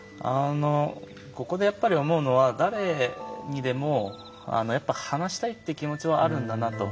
ここでやっぱり思うのは誰にでもやっぱ話したいって気持ちはあるんだなと。